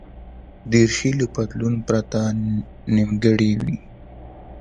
دریشي له پتلون پرته نیمګړې وي.